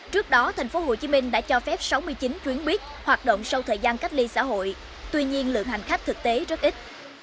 trước đó tp hcm đã cho phép sáu mươi chín chuyến buýt hoạt động sau thời gian cách ly xã hội tuy nhiên lượng hành khách thực tế rất ít